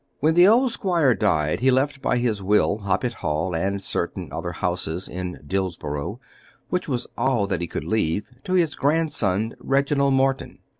When the old squire died he left by his will Hoppet Hall and certain other houses in Dillsborough, which was all that he could leave, to his grandson Reginald Morton.